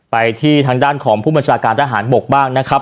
ไปที่ทางด้านของผู้บัญชาการทหารบกบ้างนะครับ